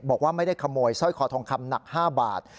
บอกว่าไม่ได้ขโมยสร้อยคอทองคำหนัก๕บาท